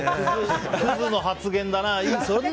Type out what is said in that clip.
クズの発言だな。